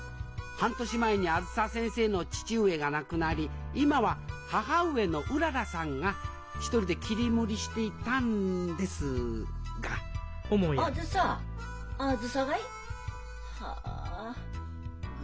半年前にあづさ先生の父上が亡くなり今は母上のうららさんが一人で切り盛りしていたんですがあづさあづさかい？はあ具合悪くてない。